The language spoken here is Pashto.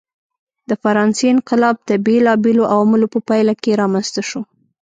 د فرانسې انقلاب د بېلابېلو عواملو په پایله کې رامنځته شو.